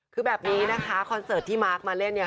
คือแบบนี้นะคะคอนเซ็ปต์ที่มาร์คมาเล่น